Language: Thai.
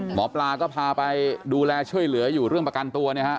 หมอปลาก็พาไปดูแลช่วยเหลืออยู่เรื่องประกันตัวเนี่ยฮะ